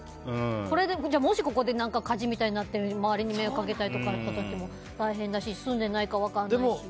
もし、ここで火事みたいになって周りに迷惑かけたりとかも大変だし、住んでないから分からないし。